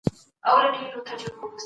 دولت خان په جنګ کي شهید سو.